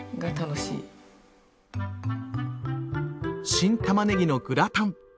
新たまねぎのグラタン。